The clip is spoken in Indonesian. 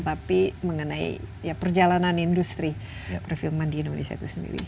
tapi mengenai perjalanan industri perfilman di indonesia itu sendiri